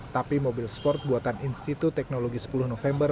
tapi mobil sport buatan institut teknologi sepuluh november